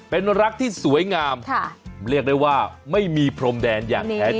เป็นรักที่สวยงามเรียกได้ว่าไม่มีพรมแดนอย่างแท้จริง